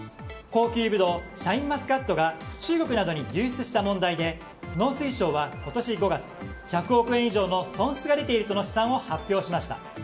高級ブドウシャインマスカットが中国などに流出した問題で農水省は今年５月１００億円以上の損失が出ているとの試算を発表しました。